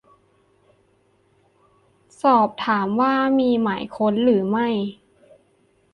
สอบถามว่ามีหมายค้นหรือไม่